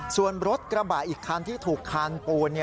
ส่วนรถกระบะอีกคันที่ถูกคานปูน